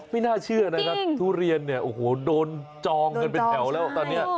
ไม่น่าเชื่อนะทุเรียนโถโห่โหโดนจองกันไปแถวแล้วตอนเนี้ย